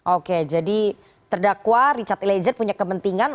oke jadi terdakwa richard eliezer punya kepentingan